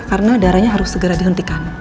karena darahnya harus segera dihentikan